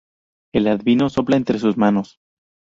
El adivino sopla entre sus manos.